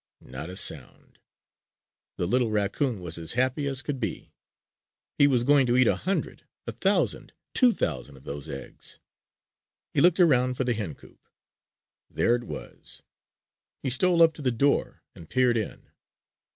Not a sound! The little raccoon was as happy as could be: he was going to eat a hundred, a thousand, two thousand of those eggs! He looked around for the hen coop. There it was! He stole up to the door and peered in.